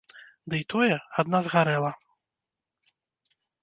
Дый тое, адна згарэла.